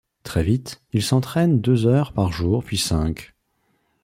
Très vite, il s'entraîne deux heures par jour, puis cinq.